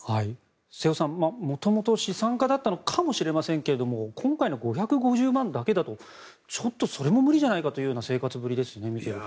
瀬尾さん、元々資産家だったのかもしれませんが今回の５５０万円だけだとちょっとそれも無理じゃないかという生活ぶりですね。